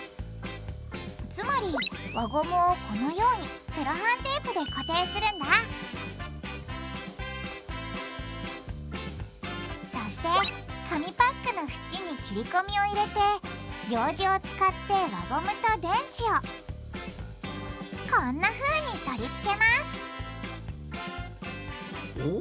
つまり輪ゴムをこのようにセロハンテープで固定するんだそして紙パックの縁に切りこみを入れてようじを使って輪ゴムと電池をこんなふうに取り付けますお！